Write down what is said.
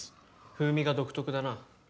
風味が独特だな。